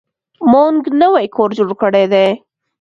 موږ نوی کور جوړ کړی دی.